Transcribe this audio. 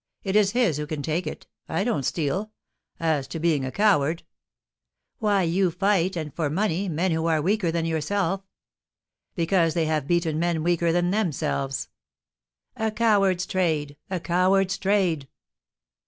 It is his who can take it. I don't steal. As to being a coward " "Why, you fight and for money men who are weaker than yourself." "Because they have beaten men weaker than themselves." "A coward's trade, a coward's trade!"